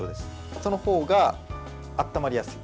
そのほうが温まりやすい。